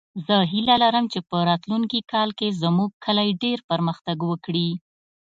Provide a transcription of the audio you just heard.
زه هیله لرم چې په راتلونکې کال کې زموږ کلی ډېر پرمختګ وکړي